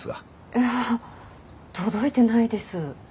いや届いてないです。